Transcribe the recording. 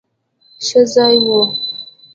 ښه ځای وو.